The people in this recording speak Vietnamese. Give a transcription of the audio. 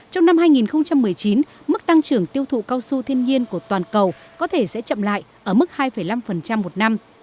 trong năm hai nghìn một mươi chín mức tăng trưởng tiêu thụ cao su thiên nhiên của toàn cầu có thể sẽ chậm lại ở mức hai năm một năm